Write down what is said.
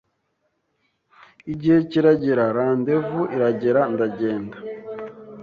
igihe kiragera rendez vous iragera ndagenda